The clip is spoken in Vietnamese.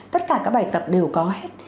tất cả các bài tập đều có hết